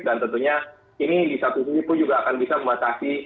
dan tentunya ini di satu sini pun juga akan bisa membatasi